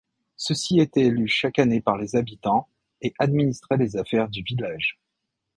Ceux-ci étaient élus chaque année par les habitants, et administraient les affaires du village.